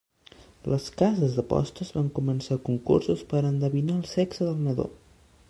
Les cases d'apostes van començar concursos per endevinar el sexe del nadó.